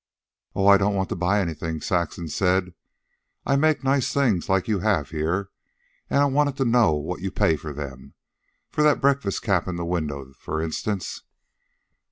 "Oh, I don't want to buy anything," Saxon said. "I make nice things like you have here, and I wanted to know what you pay for them for that breakfast cap in the window, for instance."